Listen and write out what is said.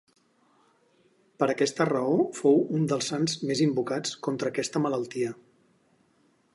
Per aquesta raó fou un dels sants més invocats contra aquesta malaltia.